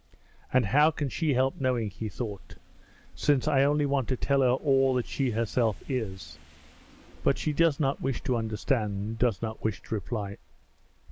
'And how can she help knowing,' he thought, 'since I only want to tell her all that she herself is? But she does not wish to under stand, does not wish to reply.'